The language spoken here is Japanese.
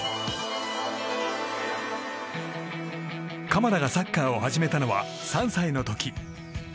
鎌田がサッカーを始めたのは３歳の時。